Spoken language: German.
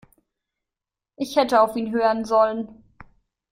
Ich hätte auf ihn hören sollen.